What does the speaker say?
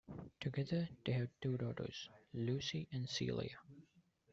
Together they have two daughters, Lucy and Celia.